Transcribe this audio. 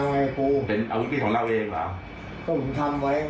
แขนแค่เท่าไหน